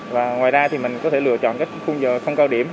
và ngoài ra thì mình có thể lựa chọn các khung giờ không cao điểm